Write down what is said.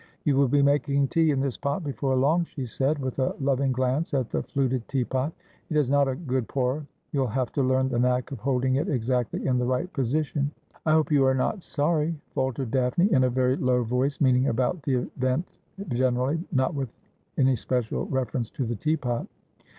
' You will be making tea in this pot before long,' she said, with a loving glance at the fluted teapot. ' It is not a good pourer. You'll have to learn the knack of holding it exactly in the right position.' ' I hope you are not sorry,' faltered Daphne in a very low voice, meaning about the event generally, not with any special reference to the teapot.